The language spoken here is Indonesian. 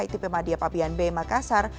itp madia pabian b makassar